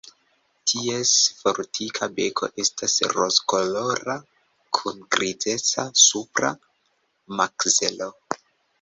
Ties fortika beko estas rozkolora kun grizeca supra makzelo.